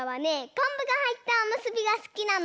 こんぶがはいったおむすびがすきなの。